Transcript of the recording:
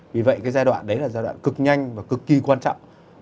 vì vậy cái giai đoạn đấy là giai đoạn cực nhanh và cực kỳ quan trọng